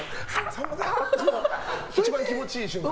一番気持ちいい瞬間。